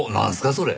それ。